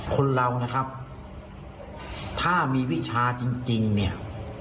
คนเรานะครับถ้ามีวิชาจริงเนี่ย